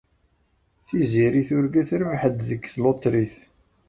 Tiziri turga terbeḥ-d deg tlutrit.